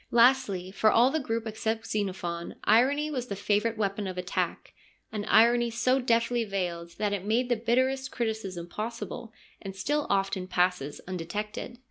Lastly, for all the group except Xenophon, irony was the favourite weapon of attack, an irony so deftly veiled that it made the bitterest criticism possible, and still often passes undetected.